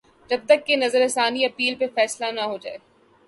جب تک کہ نظر ثانی اپیل پہ فیصلہ نہ ہوجائے۔